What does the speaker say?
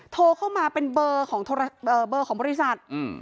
โทรเข้ามาเป็นเบอร์ของเบอร์ของบริษัท